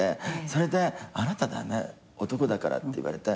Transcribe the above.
それで「あなた駄目男だから」って言われて。